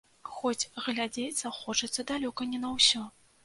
Хоць глядзець захочацца далёка не на ўсё.